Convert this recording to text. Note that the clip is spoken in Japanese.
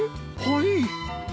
はい。